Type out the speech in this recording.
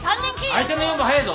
相手の４番早いぞ。